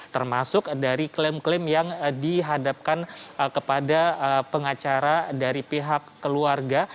termasuk dari klaim klaim yang dihadapkan kepada pengacara dari pihak keluarga